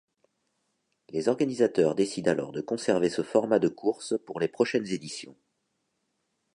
Les organisateurs décident alors de conserver ce format de course pour les prochaines éditions.